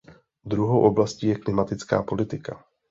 Druhou oblastí je klimatická politika.